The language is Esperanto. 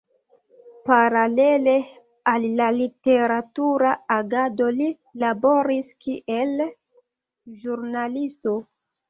Paralele al la literatura agado li laboris kiel ĵurnalisto.